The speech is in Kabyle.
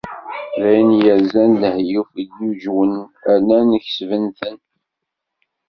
D ayen yerzan lehyuf i d-uǧǧwen rnan kesben-ten.